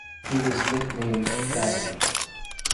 He was nicknamed "Fatty".